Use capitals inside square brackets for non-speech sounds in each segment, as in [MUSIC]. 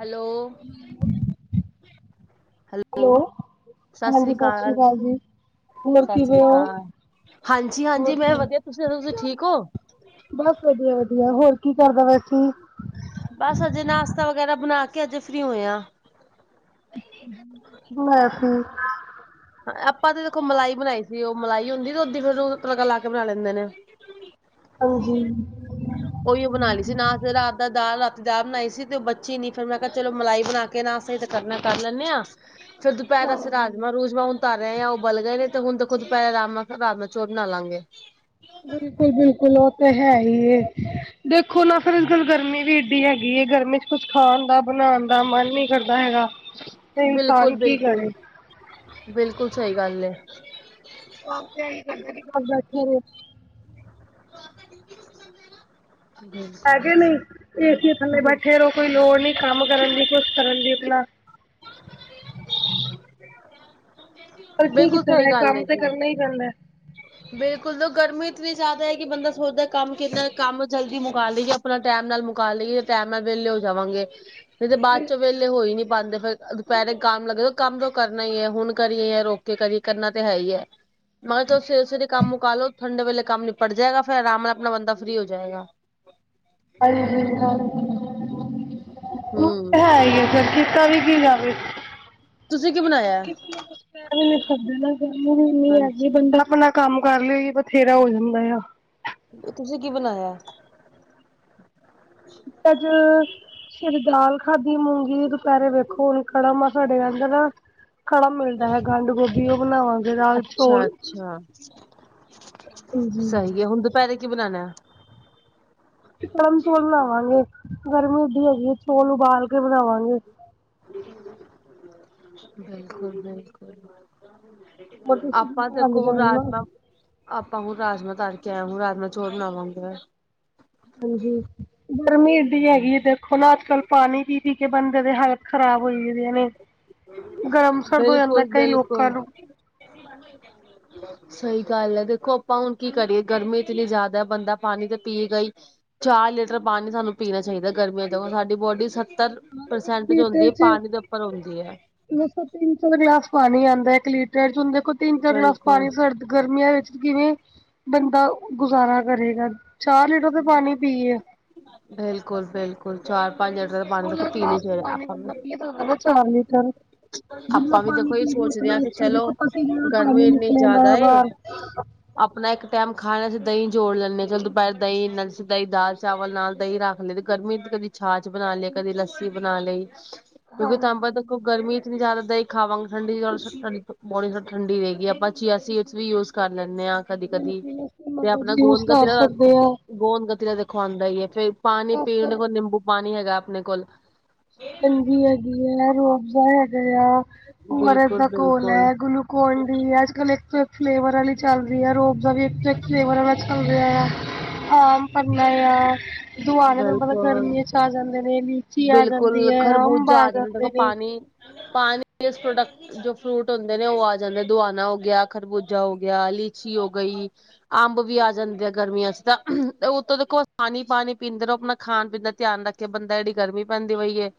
Hello. Hello. ਹਾਂਜੀ, ਸਤਿ ਸ਼੍ਰੀ ਅਕਾਲ ਜੀ। ਹੋਰ ਕਿਵੇਂ ਸਾਸਰੀ ਹੋ? ਕਾਲ। ਹਾਂਜੀ-ਹਾਂਜੀ ਹੋਰ ਮੈਂ ਕੀ, ਵਧੀਆ। ਤੁਸੀਂ ਦਸੋ ਠੀਕ ਓ? ਬਸ ਵਧੀਆ-ਵਧੀਆ। ਹੋਰ ਕੀ ਕਰਦਾ ਵੈਸੀੇ ਬਸ ਅਜੇ ਨਾਸ਼ਤਾ ਵਗੈਰਾ ਬਣਾ ਕੇ, ਅਜੇ ਫ੍ਰੀ ਹੋਏ ਆ। ਮੈਂ ਫੀ ਆਪਾਂ ਤੇ ਦੇਖੋ, ਮਲਾਈ ਬਣਾਈ ਸੀ। ਉਹ ਮਲਾਈ ਹੁੰਦੀ ਦੁੱਧ ਦੀ, ਫਿਰ ਉਹ ਤੜਕਾ ਲਾ ਕੇ ਬਣਾ ਲੈਂਦੇ ਨੇ। ਹਾਂਜੀ। ਓਈਓ ਬਣਾਲੀ ਸੀ। ਨਾ ਫੇਰ ਰਾ ਤਾਂ ਦਾਲ, ਰਾਤੀ ਦਾਲ ਬਣਾਈ ਸੀ ਤੇ ਉਹ ਬੱਚੀ ਨੀ। ਫਿਰ ਕਿਹਾ ਚਲੋ, ਮਲਾਈ ਬਣਾਕੇ ਨਾਸ਼ਤਾ ਈ ਤੇ ਕਰਨਾ, ਕਰ ਲੈਂਨੇ ਆ। ਫਿਰ ਦੁਪਹਿਰ ਆਸਤੇ ਰਾਜਮਾਂ-ਰੂਜ ਜਮਾਂ ਹੁਣ ਧਰ ਰਹੇ ਆ। ਉਬਲ ਗਏ ਨੇ ਤੇ ਹੁਣ ਦੇਖੋ ਦੁਪਹਿਰ ਰਾਮ ਨਾ ਰਾਜਮਾ-ਚੌਲ ਬਣਾਲਾਂਗੇ। ਬਿਲਕੁਲ-ਬਿਲਕੁਲ, ਉਹ ਤੇ ਹੈ ਈ ਐ। ਦੇਖੋ ਨਾ ਫਿਰ ਅੱਜ-ਕੱਲ੍ਹ ਗਰਮੀ ਵੀ ਇਡੀ ਹੈਗੀ ਐਂ। ਗਰਮੀ 'ਚ ਕੁਛ ਖਾਣ ਦਾ, ਬਣਾਉਣ ਦਾ, ਮਨ ਨੀ ਕਰਦਾ ਹੈਗਾ। ਤੇ ਇਨਸਾਨ ਕੀ ਬਿਲਕੁਲ-ਬਿਲਕੁਲ। ਕਰੇ, ਬਿਲਕੁਲ ਸਹੀ ਗੱਲ ਐ। ਓਦਾਂ ਈ [UNINTELLIGIBLE] ਘਰ ਬੈਠਾ ਰਹੇ। ਹੈ ਬਿਲਕੁਲ ਕੇ ਨਹੀਂ। ਏਸੀਆਂ ਥੱਲੇ ਬਿਲਕੁਲ ਬੈਠੇ ਰਹੋ। ਕੋਈ ਲੋੜ ਨੀ ਕੰਮ ਕਰਨ ਦੀ, ਕੁਛ ਕਰਨ ਦੀ। ਆਪਣਾ [INAUDIBLE] ਪਰ ਕੀ ਬਿਲਕੁਲ ਕੀਤਾ ਸਹੀ ਜਾਏ, ਗੱਲ ਹੈ ਕੰਮ ਤੇ ਜੀ। ਕਰਨਾ ਈ ਪੈਂਦਾ। ਬਿਲਕੁਲ, ਗਰਮੀ ਇਤਨੀ ਜ਼ਿਆਦਾ ਐ। ਕਿ ਬੰਦਾ ਸੋਚਦਾ ਕੰਮ ਕਿੰਨਾ, ਕੰਮ ਜਲਦੀ ਮੁਕਾਲੀਏ ਆਪਣਾ ਟੈਂਮ ਨਾਲ ਮੁਕਾ ਲਈਏ, ਟੈਂਮ ਨਾਲ ਵਿਹਲੇ ਹੋ ਜਾਵਾਂਗੇ। ਨਹੀਂ ਤੇ ਬਾਅਦ 'ਚ ਵਿਹਲੇ ਹੋ ਈ ਨੀ ਪਾਂਦੇ। ਫਿਰ ਦੁਪਹਿਰੇ ਕੰਮ ਲੱਗੇ ਰ‌ਓ। ਕੰਮ ਤੋਂ ਕਰਨਾ ਈ ਐ। ਹੁਣ ਕਰੀਏ, ਜਾਂ ਰੁਕ ਕੇ ਕਰੀਏ, ਕਰਨਾ ਤੇ ਹੈ ਈ ਐ। ਮੈਂ ਕਿਹਾ ਚਲੋ, ਸਵੇਰੇ-ਸਵੇਰੇ ਕੰਮ ਮੁਕਾਲੋ। ਠੰਡੇ ਵੇਲੇ ਕੰਮ ਨਿਪਟ ਜਾਏਗਾ। ਫਿਰ ਆਰਾਮ ਨਾਲ ਆਪਣਾ ਬੰਦਾ ਫ੍ਰਰੀ ਹੋ ਜਾਏਗਾ। ਹਾਂਜੀ-ਹਾਂਜੀ। ਉਹ ਹਮ ਤੇ ਹੈ ਈ ਐ ਫਿਰ। ਕੀਤਾ ਵੀ ਕੀ ਜਾਵੇ। ਤੁਸੀਂ ਕੀ ਬਣਾਇਆ [UNINTELLIGIBLE] ਸਬਜ਼ੀ ਲੈਕੇ ਆਈ ਹਾਂਜੀ ਆ [UNINTELLIGIBLE] ਕੰਮ ਕਰ ਲੇ, ਇਹੀ ਬਥੇਰਾ ਹੋ ਜਾਂਦਾ ਆ। ਤੁਸੀਂ ਕੀ ਬਣਾਇਆ? ਤਾਂ ਅਸ, ਫਿਰ ਦਾਲ ਖਾਦੀ ਮੂੰਗੀ ਦੁਪਹਿਰੇ ਵੇਖੋ ਹੁਣ ਕੜਮ ਆ ਸਾਡੇ ਆਂਦੇ ਰਾ ਖੜਮ ਮਿਲਦਾ ਹੈ। ਗੰਢ-ਗੋਭੀ, ਉਹ ਬਣਾਵਾਂਗੇ। ਦਾਲ ਚੋਲ ਹਾਂ। ਹਾਂਜੀ। ਹੁਣ ਦੁਪਹਿਰੇ ਕੀ ਬਣਾਣੈ ਗਰਮ ਚੌਲ ਬਣਾਵਾਂਗੇ ਗਰਮੀ ਏਡੀ ਹੈਗੀ ਏ ਚੌਲ ਉਬਾਲ ਕੇ ਬਣਾਵਾਂਗੇ ਬਿਲਕੁਲ- ਬਿਲਕੁਲ ਹੋਰ [UNINTELLIGIBLE] ਤੁਸੀਂ ਕੀ ਆਪਾਂ ਬਣਾਉਂਦੇ ਦੇਖੋ ਰਾਜਮਾਂਹ ਰਾਜਾਮਾ ਆਪਾਂ ਹੁਣ ਰਾਜਮਾਂ ਤਰ ਕੇ ਆਏ ਹੁਣ ਰਾਜਮਾਂ ਚੋਲ ਬਣਾਵਾਂਗੇ ਹਾਂਜੀ ਗਰਮੀ ਏਡੀ ਹੈਗੀ ਏ ਦੇਖੋਂ ਨਾ ਅੱਜ ਕੱਲ੍ਹ ਪਾਣੀ ਪੀ ਪੀ ਕੇ ਬੰਦੇ ਦੇ ਹਾਲ ਖ਼ਰਾਬ ਹੋਈ ਹੋਇਆਂ ਨੇ ਗਰਮ ਸਰਦ ਹੋ ਜਾਂਦਾ ਕਈ ਲੋਕਾਂ ਨੂੰ [INAUDIBLE] ਸਈ ਗੱਲ ਐਂ ਦੇਖੋਂ ਆਪਾਂ ਹੁਣ ਕੀ ਕਰੀਏ ਗਰਮੀ ਇਤਨੀ ਜਾਦਾ ਬੰਦਾ ਪਾਣੀ ਤੇ ਪੀਏਗਾ ਈ ਚਾਰ ਲੀਟਰ ਪਾਣੀ ਸਾਨੂੰ ਪੀਣਾ ਚਾਹੀਦੈ ਗਰਮੀਆਂ ਜਦੋਂ ਸਾਡੀ ਬੋਡੀ ਸ ਪਰ ਇੱਕ ਪ੍ਰਸੈਂਟਜ ਹੁੰਦੀ ਏ ਪਾਣੀ ਦੇ ਉੱਪਰ ਹੁੰਦੀ ਏ। ਮਸਾਂ ਤਿੰਨ ਚੌ ਗਲਾਸ ਪਾਣੀ ਆਂਦਾ ਇੱਕ ਲੀਟਰ ਚ ਹੁਣ ਦੇਖੋਂ ਤਿੰਨ ਚਾਰ ਗਲਾਸ ਬਿਲਕੁਲ। ਪਾਣੀ ਸਰੜਦਾ ਗਰਮੀਆਂ ਵਿੱਚ ਕਿਵੇਂ ਬੰਦਾ ਗੁਜ਼ਾਰਾ ਕਰੇਗਾ ਚਾਰ ਲੀਟਰ ਤੇ ਪਾਣੀ ਪੀਏ ਬਿਲਕੁਲ ਬਿਲਕੁਲ ਚਾਰ ਪੰਜ ਲੀਟਰ ਦਾ ਪਾਣੀ ਦੇਖੋ [UNINTELLIGIBLE] ਪੀਣੇ ਗਲਾਸ ਤੇ ਚਾਹੀਦਾ ਪਾਣੀ ਆਪਾਂ ਨੂੰ ਬੰਦਾ ਪੀਏ ਤੇ ਹੁੰਦੈ ਨਾ ਚਾਰ ਲੀਟਰ ਜਿੰਨਾ ਆਪਾਂ ਵੀ ਪਾਣੀ ਦੇਖੋ ਇਹ ਪੀਵੋ ਸੋਚਦੇ ਉਤਨਾ ਹਾਂ ਕਿ ਅੱਛਾ ਚਲੋ ਦੇਖੋ ਪਸੀਨਾ ਪਾਣੀ ਗਰਮੀ ਇੰਨੀ ਨਿਕਲੇ ਗਾ ਜ਼ਿਆਦਾ ਏ ਬਾਰ ਆਪਣਾ ਇੱਕ ਟੈਮ ਖਾਇਆ ਦਈ ਚੌਲ ਲੈਂਣੇ ਚਲ ਦੁਪਹਿਰ ਦਈ [UNINTELLIGIBLE] ਚਾਵਲ ਨਾਲ਼ ਦਹੀਂ ਰੱਖ ਲਏ ਤੇ ਗਰਮੀ ਚ ਕਦੀ ਛਾਛ ਬਣਾ ਲਈ ਕਦੀ ਲੱਸੀ ਬਣਾ ਲਈ ਕਿਉਂਕਿ ਤਾਂਬਾ ਦੇਖੋ ਗਰਮੀ ਜਿਤਨੀ ਜਾਦਾ ਦਈਂ ਖਾਵਾਂਗੇ ਠੰਡੀ ਔਰ ਬੋਡੀ ਠੰਡੀ ਰਹੇਗੀ ਆਪਾਂ ਚੀਆ ਸੀਡਜ਼ਸ ਵੀ ਯੂਜ਼ ਕਰ ਲੈਂਣੇ ਆਂ ਕਦੀ ਕਦੀ ਤੇ ਆਪਣਾ ਮਗਜ ਯੂਜ ਗੋਦ ਕਰ ਕਤੀਰਾ ਸਕਦੇ ਆ ਗੋਦ ਗਤੀਰਾ ਦਾ ਦੇਖੋਂ ਆਂਦਾ ਈ ਐ, ਫ਼ੇਰ ਪਾਣੀ ਪੀਣ ਦੇ ਨਿੰਬੂ ਪਾਣੀ ਹੈਗਾ ਆਪਣੇ ਕੋਲ਼ ਚੰਗੀ ਹੈਗੀ ਐਂ, ਰੂ ਅਫ਼ਜ਼ਾ ਹੈਗਾ ਏ ਆ, ਓ ਆਰ ਐੱਸ ਬਿਲਕੁਲ ਦਾ ਘੋਲ ਬਿਲਕੁਲ ਐ ਗੁਲੂ ਕੋਂਡੀ ਅੱਜ ਕੱਲ੍ਹ ਇੱਕ ਤੋਂ ਇੱਕ ਫਲੇਵਰ ਵਾਲੀ ਚੱਲ ਰੀ ਐ, ਰੂ ਅਫ਼ਜਾ ਦਾ ਵੀ ਇੱਕ ਤੋਂ ਇੱਕ ਫਲੇਵਰ ਵਾਲਾ ਚੱਲ ਰਿਐ। ਆਮ ਪੰਨਾ ਏ ਆ, ਦੂਆਣੇ ਬਿਲਕੁਲ ਗਰਮੀਆਂ ਚ ਆ ਜਾਂਦੇ ਨੇ, ਲੀਚੀ ਆ ਜਾਂਦੀ ਹੈ, ਅੰਬ ਖ਼ਰਬੂਜਾ ਆ ਜਾਂਦਾ ਗਾ, ਜਾਂਦੇ ਨੇ। ਪਾਣੀ ਪਾਣੀ ਇਸ ਪ੍ਰੋਡਕਟ ਜੋ ਫਰੂਟ ਹੁੰਦੇ ਨੇ ਉਹ ਆ ਜਾਂਦੇ ਨੇ, ਦੁਆਣਾ ਹੋ ਗਿਆ, ਖਰਬੂਜਾ ਹੋ ਗਿਆ, ਲੀਚੀ ਹੋ ਗਈ ਅੰਬ ਵੀ ਆ ਜਾਂਦੇ ਆ ਗਰਮੀਆਂ ਚ ਤਾਂ। ਉੱਤੋਂ ਦੇਖੋ ਪਾਣੀ ਪਾਣੀ ਪੀਂਦੇ ਰਹੋ ਆਪਣਾ ਖਾਣ ਪੀਣ ਦਾ ਧਿਆਨ ਰੱਖੇ ਬੰਦਾ ਐਡੀ ਗਰਮੀ ਪੈਂਦੀ ਪਈ ਏ [INAUDIBLE]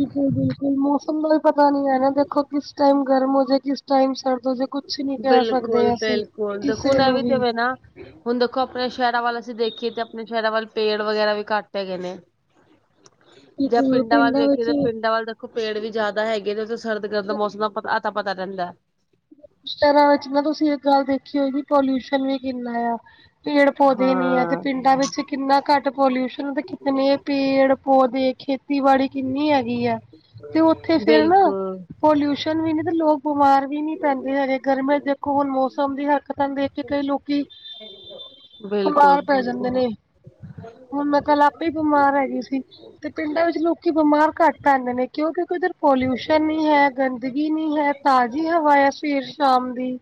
ਬਿਲਕੁਲ ਬਿਲਕੁਲ ਮੌਸਮ ਦਾ ਵੀ ਪਤਾ ਨੀ ਹੈਨਾ ਦੇਖੋਂ ਕਿਸ ਟਾਈਮ ਗਰਮ ਹੋ ਜੇ, ਕਿਸ ਟਾਈਮ ਸਰਦ ਹੋ ਜੇ ਕੁਛ ਨੀ ਕਹਿ ਬਿਲਕੁਲ ਸਕਦੇ ਅਸੀਂ ਬਿਲਕੁਲ ਦੇਖੋਂ ਕਿਸੇ ਨਾ ਏ ਨੂੰ ਵੀ ਤੇਵੇ ਨਾ ਹੁਣ ਦੇਖੋਂ ਆਪਣੇ ਸ਼ਹਿਰਾਂ ਵੱਲ ਅਸੀਂ ਦੇਖੀਏ ਤੇ ਆਪਣੇ ਸ਼ਹਿਰਾਂ ਵੱਲ ਪੇੜ ਵਗੈਰਾ ਵੀ ਘੱਟ ਹੈਗੇ ਨੇ ਜੇ ਬਿਲਕੁਲ, ਪਿੰਡਾਂ ਵੱਲ ਵੇਖੀਏ ਤਾਂ ਵਿੱਚ ਪਿੰਡਾਂ ਵੱਲ ਪੇੜ ਵੀ ਜਾਦਾ ਹੈਗੇ ਨੇ ਉੱਥੇ ਸਰਦ ਗਰਦ ਦਾ ਮੌਸਮ ਦਾ ਪਤਾ ਅਤਾ- ਪਤਾ ਰਹਿੰਦੈ। ਸ਼ਹਿਰਾਂ ਵਿੱਚ ਨਾ ਤੁਸੀਂ ਇੱਕ ਗੱਲ ਦੇਖੀ ਹੋਏਗੀ ਪੋਲਿਯੂਸ਼ਨ ਵੀ ਕਿੰਨਾ ਏਆ। ਪੇੜ ਪੌਦੇ ਨੀ ਹੈ ਤੇ ਹਾਂ ਪਿੰਡਾਂ ਵਿੱਚ ਕਿੰਨਾ ਘੱਟ ਪੋਲਿਯੂਸ਼ਨ ਤੇ ਕਿਤਨੇ ਪੇੜ ਪੌਦੇ ਖੇਤੀਬਾੜੀ ਕਿੰਨੀ ਹੈਗੀ ਐਂ ਤੇ ਉੱਥੇ ਫ਼ੇਰ ਨਾ ਬਿਲਕੁਲ ਪੋਲਿਯੂਸ਼ਨ ਵੀ ਨੀ ਤੇ ਲੋਕ ਬਿਮਾਰ ਵੀ ਨੀ ਪੈਂਦੇ ਹੈਗੇ ਗਰਮੀਆਂ ਦੇਖੋਂ ਹੁਣ ਮੌਸਮ ਦੀ ਹਰਕਤਾਂ ਨੂੰ ਦੇਖ ਕੇ ਕਈ ਲੋਕੀਂ ਬਿਲਕੁਲ ਬਮਾਰ ਪੈ ਜਾਂਦੇ ਬਿਲਕੁਲ ਨੇ। ਹੁਣ ਮੈਂ ਕੱਲ੍ਹ ਆਪੇ ਬਿਮਾਰ ਹੈਗੀ ਸੀ ਤੇ ਪਿੰਡਾਂ ਵਿੱਚ ਲੋਕੀ ਬਿਮਾਰ ਘੱਟ ਪੈਂਦੇ ਨੇ ਕਯੌ ਕਯੌਕਿ ਓਧਰ ਪੋਲਊਸ਼ਨ ਨੀ ਹੈ ਗੰਦਗੀ ਨੀ ਹੈ। ਤਾਜੀ ਹਵਾ ਆ ਸਵੇਰ ਸ਼ਾਮ ਦੀ।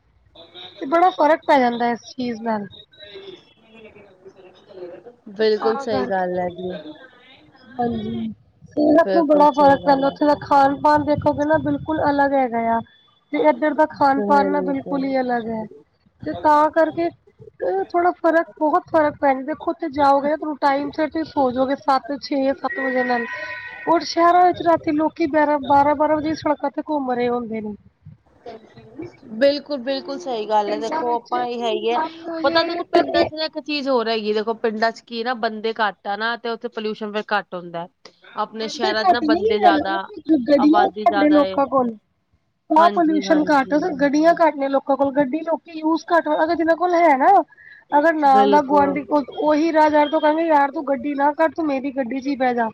ਤੇ ਬੜਾ ਫ਼ਰਕ ਪੈ ਜਾਂਦਾ ਏ ਇਸ ਚੀਜ਼ ਨਾਲ। ਬਿਲਕੁਲ ਸਯੀ ਗੱਲ ਐ ਜੀ। ਹਾਂਜੀ ਸੀਰਤ ਨੂੰ ਬਿਲਕੁਲ ਬੜਾ ਸਹੀ ਫਰਕ ਗੱਲ ਪੈਂਦਾ ਐ ਹੈ ਓਥੇ ਦਾ ਖ ਖਾਨ ਪਾਨ ਦੇਖੋਗੇ ਨਾ ਬਿਲਕੁਲ ਅਲੱਗ ਹੈਗਾ ਯਾ। ਤੇ ਐਦਰ ਦਾ ਖਾਨ ਪਾਨ ਨਾ ਬਿਲਕੁਲ ਹੀ ਅਲੱਗ ਐ ਤੇ ਤਾ ਕਰਕੇ ਤੇ ਓ ਥੋੜਾ ਫਰਕ ਬੋਹੋਤ ਫ਼ਰਕ ਪੈਨ ਦੇਖੋ ਓਥੇ ਜਾਓਗੇ ਨਾ ਤਾਨੂੰ ਟਾਈਮ ਸੇਰ ਸੋ ਜੋਗੇ ਸੱਤ ਛੇ ਸੱਤ ਵਜੇ ਨਲ। ਔਰ ਸ਼ੇਰਾ ਵਿੱਚ ਰਾਤੀ ਲੋਕੀ ਬੇਰਾ ਬਾਰਾ ਬਾਰਾ ਵਜੇ ਤਕ ਸੜਕਾ ਤੇ ਘੁੰਮ ਰੇ ਹੁੰਦੇ ਨੇ। ਬਿਲ ਬਿਲਕੁਲ- ਬਿਲਕੁਲ ਸਈ ਗੱਲ ਐ ਦੇਖੋ ਆਪਾਂ ਐ ਈ ਹੇਗੇ ਆ ਪਤਾ ਦੇਖੋ ਪਿੰਡਾ ਚ ਨਾ ਇਕ ਚੀਜ਼ ਹੋਰ ਹੈਗੀ ਐ ਦੇਖੋ ਪਿੰਡਾਂ ਚ ਕੀ ਨਾ ਬੰਦੇ ਘੱਟ ਆ ਨਾ ਤੇ ਓਥੇ ਪੋਲਕਊਸ਼ਨ ਫੇਰ ਘੱਟ ਹੁੰਦਾ ਐ। ਬੰਦੇ ਘੱਟ ਨਈ ਐ ਓ ਗੜੀਆ ਆਬਾਦੀ ਸਾਡੇ ਜ਼ਿਆਦਾ ਹੈ ਲੋਕਾ ਕੋਲ। ਤਾ ਹਾਂਜੀ ਪੋਲਊਸ਼ਨ ਘੱਟ ਹਾਂਜੀ ਗੱਡੀਆਂ ਘੱਟ ਨੇ ਲੋਕਾ ਕੋਲ ਗੱਡੀ ਕਿਓਕਿ ਯੂਜ ਘੱਟ ਅਗਰ ਜਿਨਾ ਕੋਲ ਹੈ ਨਾ ਅਗਰ ਨਾਲਦਾ ਬਿਲਕੁਲ ਗੁਆਂਢੀ ਓ ਓਹੀ ਰਾਹ ਜਾ ਰੇ ਤੇ ਓ ਕੈਂਗੇ ਯਾਰ ਤੂੰ ਗੱਡੀ ਨਾ ਕਡ ਤੂੰ ਮੇਰੀ ਗੱਡੀ ਚ ਹੀ ਬੇ ਜਾ।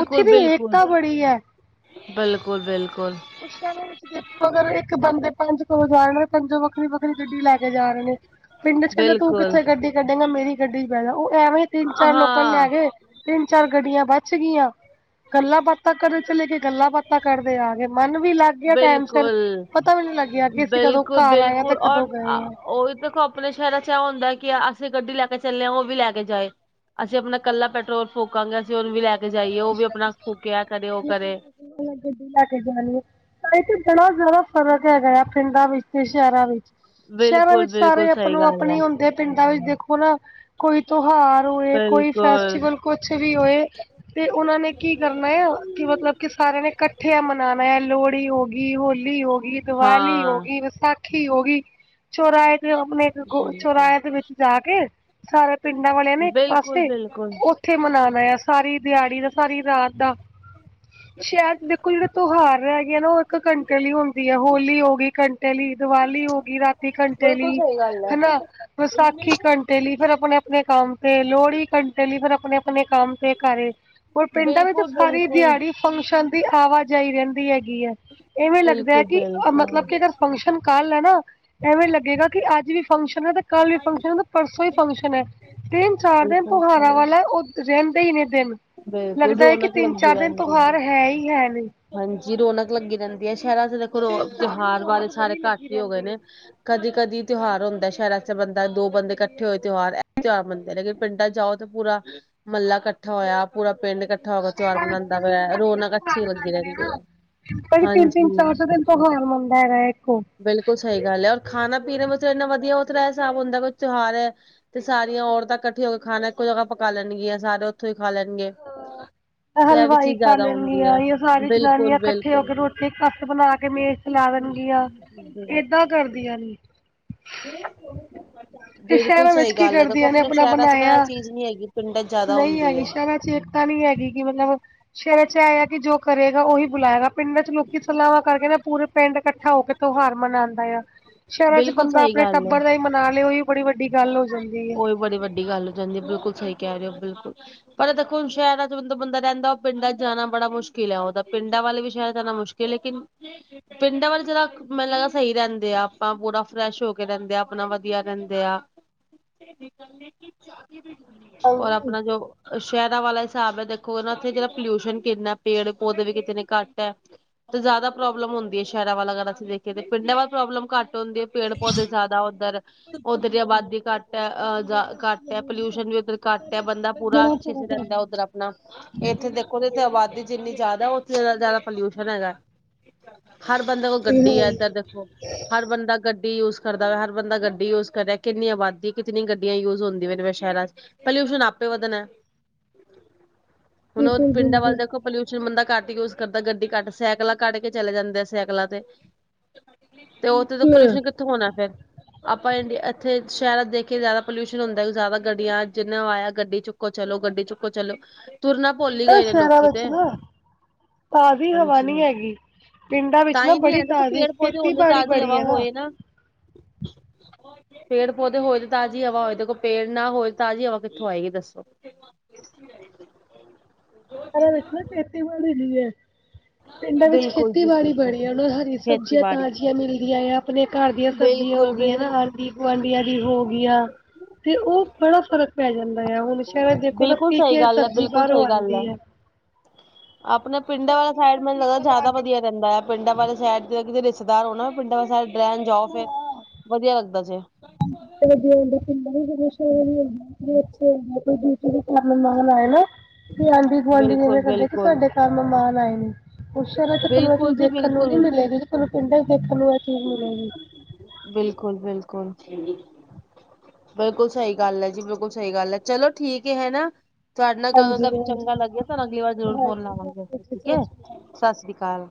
ਉੱਥੇ ਬਿਲਕੁਲ ਦੀ ਬਿਲਕੁਲ ਏਕਤਾ ਬੜੀ ਹੈ ਬਿਲਕੁਲ ਬਿਲਕੁਲ। ਖੁਸ਼ੀਆਂ ਦੇ ਵਿੱਚ। ਦੇਖੋ ਅਗਰ ਇੱਕ ਬੰਦੇ ਪੰਜ ਘਰੋ ਜਾ ਰੇ ਨੇ ਤੇ ਪਨਜੋ ਵੱਖਰੀ- ਵੱਖਰੀ ਗੱਡੀ ਲੈ ਕੇ ਜਾਨਗੇ। ਪਿੰਡ ਇਚ ਕੇਂਦਾ ਤੂੰ ਬਿਲਕੁਲ ਕਿੱਥੇ ਗੱਡੀ ਕੱਢੇਗਾ ਮੇਰੀ ਗੱਡੀ ਚ ਬੇਜਾ ਓ ਐਵੇ ਈ ਤਿੰਨ- ਚਾਰ ਲੋਕਾ ਨੂੰ ਲੈ ਹਾਂ ਕੇ ਤਿੰਨ ਚਾਰ ਗੱਡੀਆਂ ਬਚ ਗਿਆ। ਗੱਲਾਂ ਬਾਤਾਂ ਕਰਨ ਚਲੇ ਗੇ ਗੱਲਾਂ ਬਾਤਾਂ ਕਰਦੇ ਆ ਗਏ ਮਨ ਵੀ ਲੱਗ ਗਿਆ ਟਾਈਮ ਸਿਰ ਬਿਲਕੁਲ ਪਤਾ ਵੀ ਨੀ ਲੱਗਿਆ ਕਿ ਅਸੀਂ ਕਦੋਂ ਬਿਲਕੁਲ ਘਰ ਆਏ ਆ ਤੇ ਬਿਲਕੁਲ ਔਰ ਕਦੋਂ ਅ ਗਏ ਆ ਓਹੀ ਤੇ ਅਪਨੇ ਸ਼ੈਰਾ ਚ ਐ ਹੁੰਦਾ ਐ ਕਿ ਅਸੀ ਗੱਡੀ ਲੈ ਕੇ ਚੱਲੇ ਆ ਓਵੀ ਲੈ ਕੇ ਜਾਏ। ਅਸੀ ਅਪਨਾ ਕੱਲਾ ਪੈਟਰੋਲ ਫੂਕਾਂਗੇ ਅਸੀ ਓਨੂੰ ਵੀ ਲੈ ਕੇ ਜਾਈਏ ਓ ਵੀ ਅਪਨਾ ਫੂਕੇ ਐ ਕਰੇ ਓ ਕਰੇ। ਮੈਂ ਗੱਡੀ ਲੇ ਕੇ ਜਾਰੀ ਆ। ਤਾਹੀ ਤੇ ਬੜਾ ਜਾਦਾ ਫ਼ਰਕ ਹੈਗਾ ਯਾ ਪਿੰਡਾਂ ਵਿੱਚ ਤੇ ਸ਼ੈਰਾ ਵਿੱਚ। ਸ਼ੈਰਾਂ ਬਿਲਕੁਲ ਵਿੱਚ ਬਿਲਕੁਲ ਸਾਰੇ ਸਹੀ ਅਪਨੋ ਗੱਲ ਹੈ ਅਪਣੀ ਹੁੰਦੇ ਪਿੰਡਾ ਵਿੱਚ ਦੇਖੋ ਨਾ। ਕੋਈ ਤੌਹਾਰ ਹੋਏ ਕੋਈ ਬਿਲਕੁਲ ਫੈਸਟੀਵਲ ਕੁਛ ਵੀ ਹੋਏ। ਤੇ ਓਨਾ ਨੇ ਕੀ ਕਰਨਾ ਐ ਕਿ ਮਤਲਬ ਕਿ ਸਾਰਆ ਨੇ ਕੱਠੇ ਆ ਮਨਾਨਾ ਏ ਲੋੜੀ ਹੋ ਗ ਹੋਲੀ ਹੋਗੀ, ਦਵਾਲੀ ਹੋ ਹਾਂ ਗਿ, ਵਿਸਾਖੀ ਹੋ ਗਿ ਚੋਰਾਏ ਤੇ ਅਪਨੇ ਇੱਕ ਗ ਚੋਰਾਏ ਦੇ ਵਿੱਚ ਜਾ ਕੇ ਸਾਰ ਪਿੰਡਾਂ ਵਾਲਯਾ ਨੇ ਇੱਕ ਬਿਲਕੁਲ ਬਿਲਕੁਲ ਪਾਸੇ ਬਿਲਕੁਲ ਓਥੇ ਮਨਾਨਾ ਯਾ ਸਾਰੀ ਦਿਆੜੀ ਦਾ ਸਾਰੀ ਰਾਤ ਦਾ। [INAUDIBLE] ਸ਼ਯਾਦ ਦੇਖੋ ਜੇੜੇ ਤੌਹਾਰ ਰੇਗੇ ਆ ਨਾ ਓ ਇੱਕ ਘੰਟੇ ਲਈ ਹੁੰਦੀ ਐ ਹੋਲੀ ਹੋ ਗਈ ਘੰਟ ਘੰਟੇ ਲੀ ਦੀਵਾਲੀ ਹੋ ਗਿ ਰਾਤੀ ਘੰਟੇ ਬਿਲਕੁਲ ਲੀ ਸਹੀ ਗੱਲ ਹੈ ਹਨਾ ਵਸਾਖੀ ਘੰਟੇ ਲੀ ਫਿਰ ਅਪਨੇ ਅਪਨੇ ਕੰਮ ਤੇੇ ਲੋੜੀ ਘੰਟੇ ਲਈ ਫਿਰ ਅਪਨੇ ਅਪਨੇ ਕੰਮ ਤੇੇ ਘ ਓਰ ਪਿੰਡਾਂ ਵਿੱਚ ਤੇ ਬਿਲਕੁਲ ਸਾਰੀ ਬਿਲਕੁਲ ਦਿਆੜੀ ਫੰਕਸ਼ਨ ਦੀ ਆਵਾ ਜਾਈ ਰੈਨਦੀ ਹੈਗੀ ਐ। ਇਵੇ ਲੱਗਦਾ ਐ ਬਿਲਕੁਲ ਕਿ ਮਤਲਬ ਬਿਲਕੁਲ ਕਿ ਅਗਰ ਫੰਕਸ਼ਨ ਕੱਲ ਐ ਨਾ ਐਵੇ ਲੱਗੇਗਾ ਕਿ ਅੱਜ ਵੀ ਫੰਕਸ਼ਨ ਐ ਤੇ ਕੱਲ ਵੀ ਫੰਕਸ਼ਨ ਐ ਤੇ ਪਰਸੋ ਵੀ ਫੰਕਸ਼ਨ ਐ ਤਿੰਨ ਚਾਰ ਦਿਨ ਬਿਲਕੁਲ ਤੋਹਾਰਾ ਸਹੀ ਵਾਲਾ ਓ ਰੈਂਦੇ ਈ ਨੇ ਦਿਨ ਬਿਲਕੁਲ ਲੱਗਦਾ ਐ ਕਿ ਰੌਣਕ ਤਿੰਨ ਲੱਗੀ ਚਾਰ ਦਿਨ ਰਹਿੰਦੀ ਤੋਹਾਰ ਹੈ ਹੀ ਹੈ ਨੇ। ਹਾਂਜੀ ਰੌਨਕ ਲੱਗੀ ਰੈਂਦੀ ਐ ਸ਼ੈਰਾ ਚ ਦੇਖੋ ਰੋ ਤਿੰਨ ਚਾਰ ਦਿਨ ਤੋਹਾਰ ਬਾਰੇ ਰੌਣਕ ਸਾਰੇ ਬੜੀ ਘੱਟ ਲੱਗੀ ਈ ਹੋਗਏ ਰਹਿੰਦੀ ਹੈ। ਨੇ। ਕਦੀ ਕਦੀ ਤਯੋਹਾਰ ਹੁੰਦਾ ਐ ਸ਼ੈਰਾ ਚ ਤੇ ਬੰਦਾ ਦੋ ਬੰਦੇ ਕੱਠੇ ਹੋਏ ਤੇ ਤ੍ਯੋਹਾਰ ਐ ਤਯੋਹਾਰ ਬਨਦੇ ਨੇ ਲੇਕਿਨ ਪਿੰਡਾ ਚ ਜਾਓ ਪੂਰਾ ਮੱਲਾ ਇਕੱਠਾ ਹੋਇਆ, ਪੂਰਾ ਪਿੰਡ ਇਕੱਠਾ ਮਿੱਠਾ ਹੋਕੇ ਤਿਉਹਾਰ ਬਣਾਦਾ ਪਿਆ ਰੌਣਕ ਅੱਛੀ ਲੱਗੀ ਰਹਿੰਦੀ ਐ। ਭ ਤਿੰਨ- ਤਿੰਨ ਚਾਰ- ਚਾਰ ਦਿਨ ਤੋਂ ਤਿਉਹਾਰ ਮੰਨਦਾ ਹੈਗਾ ਇੱਕੋ ਬਿਲਕੁਲ ਸਹੀ ਗੱਲ ਐ ਔਰ ਖਾਣਾ ਪੀਣਾ ਵੀ ਉੱਥੇ ਇੰਨਾ ਵਧੀਆ ਹੁੰਦਾ, ਇਹ ਹਿਸਾਬ ਹੁੰਦਾ ਤਿਉਹਾਰ ਐ। ਤੇ ਸਾਰੀਆਂ ਔਰਤਾਂ ਇਕੱਠੀਆਂ ਹੋ ਕੇ ਖਾਣਾ ਇੱਕੋ ਜਗ੍ਹਾ ਪਕਾ ਲੈਣਗੀਆਂ ਸਾਰੇ ਉੱਥੋਂ ਈ ਖਾ ਲੈਣਗੇ। ਤੇ ਇਹ ਵੀ ਹਲਵਾਈ ਚੀਜ਼ ਕਰ ਜ਼ਿਆਦਾ ਹੁੰਦੀ ਹੈ ਲੈਣਗੀਆਂ ਸਾਰੀ ਜਨਾਨੀਆਂ ਬਿਲਕੁਲ ਇਕੱਠੇ ਹੋ ਬਿਲਕੁਲ ਕੇ ਰੋਟੀ ਮੇ ਖਿਲਾਵਣਗੀਆਂ, ਏਦਾਂ ਕਰਦੀਆਂ ਨੀ ਹ [UNINTELLIGIBLE] ਤੇ ਬਿਲਕੁਲ ਸ਼ਹਿਰਾਂ ਵਿੱਚ ਸਹੀ ਕੀ ਗੱਲ ਐ ਦੇਖੋ ਕਰਦੀਆਂ ਨੇ ਆਪਣੇ ਆਪਣਾ ਸ਼ਹਿਰਾਂ ਚ ਨਾ ਇਹ ਬਣਾਇਆ ਚੀਜ਼ ਨੀ ਹੈਗੀ ਪਿੰਡਾਂ ਚ ਜ਼ਿਆਦਾ ਹੁੰਦੀ ਐ। ਚਿੰਤਾਂ ਨੀ ਹੈਗੀ ਕਿ ਮਤਲਬ ਸ਼ਹਿਰਾ 'ਚ ਇਹ ਹੈਗਾ ਕਿ ਜੋ ਕਰੇਗਾ ਉਹੀ ਬੁਲਾਏਗਾ ਪਿੰਡਾਂ ਚ ਲੋਕੀ ਸਲਾਵਾਂ ਕਰਕੇ ਨਾ ਪੂਰੇ ਪਿੰਡ ਇਕੱਠਾ ਹੋ ਕੇ ਤਿਉਹਾਰ ਮਨਾਦਾ ਆ, ਸ਼ਹਿਰਾਂ ਚ ਬਿਲਕੁਲ ਬੰਦਾ ਸਹੀ ਆਪਣੇ ਗੱਲ ਹੈ ਟੱਬਰ ਦਾ ਈ ਮਨਾਲੇ ਓਹੀ ਬੜੀ ਵੱਡੀ ਗੱਲ ਹੋ ਜਾਂਦੀ। ਹੈ ਉਹੀ ਬੜੀ ਵੱਡੀ ਗੱਲ ਹੋ ਜਾਂਦੀ ਐ। ਬਿਲਕੁਲ ਸਹੀ ਕਹਿ ਰਹੇ ਹੋ ਬਿਲਕੁਲ ਪਰ ਐ ਦੇਖੋ ਹੁਣ ਸ਼ਹਿਰਾਂ ਚ ਬੰਦਾ ਰਹਿੰਦਾ ਉਹ ਪਿੰਡਾਂ ਚ ਜਾਣਾ ਬੜਾ ਮੁਸ਼ਕਿਲ ਆ ਉਹਦਾ ਪਿੰਡਾਂ ਵਾਲੇ ਵੀ ਸ਼ਹਿਰ ਜਾਣਾ ਮੁਸ਼ਕਿਲ ਲੇਕਿਨ [UNINTELLIGIBLE] ਪਿੰਡਾਂ ਵੱਲ ਜਰਾ ਮੈਨੂੰ ਲੱਗਦਾ ਸਹੀ ਰਹਿੰਦੇ ਆ ਆਪਾਂ ਪੂਰਾ ਫਰੈਸ਼ ਹੋ ਕੇ ਰਹਿੰਦੇ ਆ ਆਪਣਾ ਵਧੀਆ ਰਹਿੰਦੇ ਆ। [UNINTELLIGIBLE] ਔਰ ਆਪਣਾ ਜੋ [UNINTELLIGIBLE] ਸ਼ਹਿਰਾਂ ਵਾਲਾ ਹਿਸਾਬ ਐ ਦੇਖੋ ਉੱਥੇ ਜਿਹੜਾ ਪੋਲਿਊਸ਼ਨ ਕਿੰਨਾ ਪੇੜ ਪੌਦੇ ਵੀ ਕਿਤਨੇ ਘੱਟ ਆ। ਜ਼ਿਆਦਾ ਪ੍ਰੋਬਲ ਹੁੰਦੀ ਆ ਸ਼ਹਿਰਾਂ ਵੱਲ ਅਗਰ ਅਸੀਂ ਦੇਖਏ ਤਾਂ ਪਿੰਡਾਂ ਵੱਲ ਪ੍ਰੋਬਲਮ ਘੱਟ ਹੁੰਦੀਆ। ਪੇੜ ਪੌਦੇ ਜ਼ਿਆਦਾ ਉੱਧਰ, ਉੱਧਰ ਦੀ ਆਬਾਦੀ ਘੱਟ ਹੈ ਅ ਜਿਅ ਘੱਟ ਐ ਪੋਲਿਊਸ਼ਨ ਵੀ ਉੱਧਰ ਘੱਟ ਐ, ਬੰਦਾ ਪੂਰਾ ਅੱਛੇ ਚ ਰਹਿੰਦਾ ਉੱਧਰ ਆਪਣਾ ਇੱਥੇ ਦੇਖੋਗੇ ਕੇ ਅਬਾਦੀ ਜਿੰਨੀ ਜ਼ਿਆਦਾ ਉੱਥੇ ਜ਼ਿਆਦਾ ਪੋਲਿਊਸ਼ਨ ਹੈਗਾ। ਹਰ ਬੰਦੇ ਕੋਲ ਗੱਡੀ ਆ ਇੱਧਰ ਦੇਖੋ। ਹਰ ਬੰਦਾ ਗੱਡੀ ਯੂਜ ਕਰਦਾ ਵਾ, ਹਰ ਬੰਦਾ ਗੱਡੀ ਯੂਜ ਕਰੇ ਕਿੰਨੀ ਆਬਾਦੀ ਕਿਤਨੀ ਗੱਡੀਆਂ ਯੂਜ ਹੁੰਦੀਆਂ ਪਇਆ ਸਹਿਰਾ 'ਚ ਪੋਲਿਊਸ਼ਨ ਆਪੇ ਵਧਣਾ। ਹੁਣ ਉਹ ਪਿੰਡਾਂ ਵੱਲ ਦੇਖੋ ਪੋਲਿਊਸ਼ਨ ਬੰਦਾ ਘੱਟ ਯੂਜ ਕਰਦਾ ਗੱਡੀ ਘੱਟ ਸਾਈਕਲਾਂ ਕੱਢ ਕੇ ਚਲੇ ਜਾਂਦੇ ਆ ਸਾਈਕਲਾਂ ਤੇ। ਤੇ ਉੱਥੇ ਤਾਂ ਪੋਲਿਊਸ਼ਨ ਕਿੱਥੇ ਹੋਣਾ ਫੇਰ ਆਪਾਂ ਇੱਥੇ ਸਹਿਰ ਦੇਖ ਜ਼ਿਆਦਾ ਪੋਲਿਊਸ਼ਨ ਹੁੰਦਾ ਜ਼ਿਆਦਾ ਗੱਡੀਆਂ ਜਿਹਨਾ ਆਇਆ ਗੱਡੀ ਚੁੱਕੋ ਚਲੋ, ਗੱਡੀ ਚੁੱਕੋ ਚੱਲੋ। ਤੁਰਨਾ ਭੁੱਲ ਈ ਗਏ ਨੇ ਸ਼ਹਿਰਾਂ ਲੋਕੀ ਵਿੱਚ ਤੇ ਨਾ ਤਾਜ਼ੀ ਹਵਾ ਹਾਂਜੀ ਨੀ ਹਾਂਜੀ ਹੈਗੀ। ਪਿੰਡਾਂ ਵਿੱਚ ਤਾਂ ਨਾ ਹੀ ਨੀ ਬੜੀ ਹੈ ਦੇਖੋ ਤਾਜ਼ੀ, ਪੇੜ ਪੌਦੇ ਹੁੰਦੇ ਖੇਤੀਬਾੜੀ ਤਾਜ਼ੀ ਬੜੀ ਹਵਾ ਐ ਨਾ। ਹੋਏ ਪੇੜ ਪੌਦੇ ਹੋ ਜਾਂ ਤਾਜ਼ੀ ਹਵਾ ਹੋਏ ਦੇਖੋ ਪੇੜ ਨਾ ਹੋਏ ਤਾਜ਼ੀ ਹਵਾ ਕਿੱਥੋਂ ਆਏਗੀ ਦੱਸੋ। ਆਰਾਮਸ਼ ਨਾ ਖੇਤੀ ਮਦੀਏ [INAUDIBLE] ਪਿੰਡਾਂ ਵਿੱਚ ਬਿਲਕੁਲ ਜੀ ਖੇਤੀਬਾੜੀ ਬਿਲਕੁਲ। ਬੜੀ ਆ, ਉਹ ਨੂੰ ਹਰੀ ਸਬਜ਼ੀਆਂ ਖੇਤੀਬਾੜੀ ਤਾਜ਼ੀਆਂ ਮਿਲਦੀਆਂ ਆ। ਆਪਣੇ ਘਰ ਦੀਆਂ ਸਬਜ਼ੀਆਂ ਹੋ ਬਿਲਕੁਲ ਗਈਆਂ ਨਾ ਬਿਲਕੁਲ ਹਲਦੀ ਗੁਆਂਢੀਆਂ ਦੀ ਹੋ ਗਿਆਂ। ਤੇ ਉਹ ਬੜਾ ਫ਼ਰਕ ਪੈ ਜਾਂਦਾ ਆ ਹੁਣ ਸ਼ਹਿਰਾਂ ਦੇਖੋ ਨਾ ਬਿਲਕੁਲ ਟੀਕੇ ਸਹੀ ਵਾਲੀ ਗੱਲ ਹੈ ਸਬਜੀ ਬਿਲਕੁਲ ਬਾਹਰੋਂ ਸਹੀ ਗੱਲ ਹੈ। ਆਉਂਦੀ ਆ। ਆਪਣੇ ਪਿੰਡਾਂ ਵਾਲਾ ਸਾਈਡ ਮੈਨੂੰ ਲੱਗਦਾ ਜ਼ਿਆਦਾ ਵਧੀਆ ਰਹਿੰਦਾ ਏ। ਪਿੰਡਾਂ ਵਾਲੇ ਸਾਈਡ ਜੇ ਕਿਤੇ ਰਿਸ਼ਤੇਦਾਰ ਹੋਣਾ ਪਿੰਡਾਂ ਵਾਲੇ ਸਡ ਰਹਿਣ ਜਾਓ, ਫਿਰ ਵਧੀਆ ਲੱਗਦਾ ਜੇ। [UNINTELLIGIBLE] ਅੱਛੇ ਕੋਈ ਦ ਚ ਖ ਆਪਣਾ ਮੰਗਣਾ ਹੈ ਨਾ [UNINTELLIGIBLE] ਤੇ ਆਂਢੀ ਗੁਆਂਢੀ ਬਿਲਕੁਲ ਇਵੇਂ ਕਦੇ ਕਿ ਬਿਲਕੁਲ ਤੁਹਾਡੇ ਘਰ ਮਹਿਮਾਨ ਆਏ ਨੇ। ਸਹਿਰਾ 'ਚ ਤੁਹਾਨੂੰ ਇਹ ਬਿਲਕੁਲ ਚੀਜ਼ ਜੀ ਦੇਖਣ ਨੂੰ ਨੀ ਬਿਲਕੁਲ ਮਿਲੇਗੀ ਤੇ ਤੁਹਾਨੂੰ ਪਿੰਡਾਂ ਚ ਦੇਖਣ ਨੂੰ ਇਹ ਚੀਜ਼ ਮਿਲੇਗੀ। ਬਿਲਕੁਲ ਬਿਲਕੁਲ ਬਿਲਕੁਲ, ਸਹੀ ਗੱਲ ਏ ਜੀ। ਬਿਲਕੁਲ, ਸਹੀ ਗੱਲ ਹੈ। ਚਲੋ, ਠੀਕ ਏ ਹੈਨਾ। ਤੁਹਾਡੇ ਨਾਲ ਗੱਲ ਹਾਂਜੀ ਚ ਹਾਂਜੀ ਚੰਗਾ ਹਾਂਜੀ ਲੱਗਿਆ। ਤਾਨੂੰ ਅਗਲੀ ਵਾਰ ਜ਼ਰੂਰ ਫੋਨ ਲਾਵਾਂਗੇ। ਸਤਿ ਠੀਕ ਹੈ, ਸ਼੍ਰੀ ਅਕਾਲ ਸਾਸਰੀ ਕਾਲ।